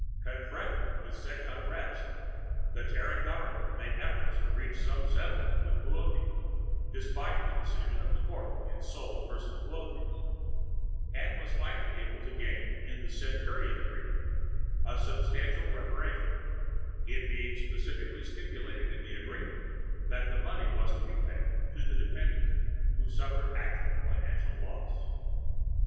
Confronted with such unrest, the Terran government made efforts to reach some settlement with Boötes despite the decision of the Court in Sol v. Boötes, and was finally able to gain in the Centaurian Agreement a substantial reparation, it being specifically stipulated in the Agreement that the money was to be paid to the dependents who suffered actual financial loss.